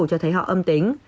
cho thấy họ âm tính